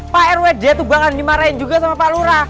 pak rw dia tuh bakalan dimarahin juga sama pak lura